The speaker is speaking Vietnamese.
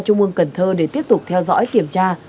trung ương cần thơ để tiếp tục theo dõi kiểm tra